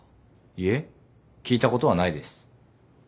いえ聞いたことはないです。